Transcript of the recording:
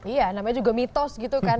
iya namanya juga mitos gitu kan